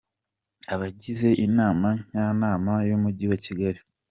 Abagize Inama Njyanama y’Umujyi wa Kigali.